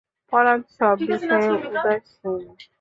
পরাণ সব বিষয়ে উদাসীন।